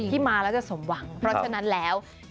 ที่มาแล้วจะสมหวังเพราะฉะนั้นแล้ว